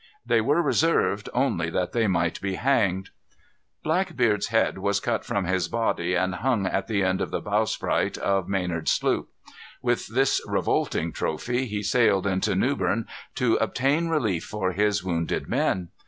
They were reserved only that they might be hanged. Blackbeard's head was cut from his body, and hung at the end of the bowsprit of Maynard's sloop. With this revolting trophy he sailed into Newbern to obtain relief for his wounded men.